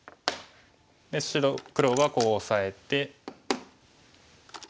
で黒はこうオサえて。